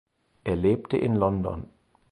Er lebte in London.